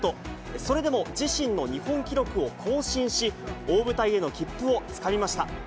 それでも自身の日本記録を更新し、大舞台への切符をつかみました。